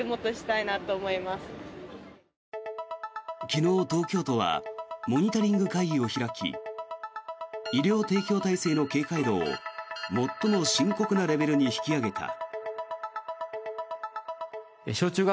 昨日、東京都はモニタリング会議を開き医療提供体制の警戒度を最も深刻なレベルに引き上げた。